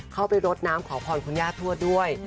เข้าไปรดน้ำขอพรคุณย่าทวดด้วย